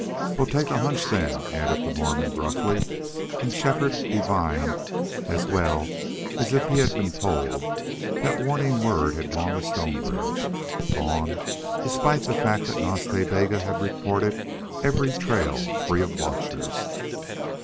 "Well, take a hunch, then," added the Mormon, gruffly, and Shefford divined, as well as if he had been told, that warning word had gone to Stonebridge. Gone despite the fact that Nas Ta Bega had reported every trail free of watchers!